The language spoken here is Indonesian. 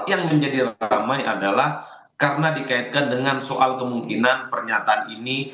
yang menjadi ramai adalah karena dikaitkan dengan soal kemungkinan pernyataan ini